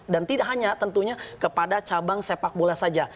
dan tidak hanya tentunya kepada cabang sepak bola saja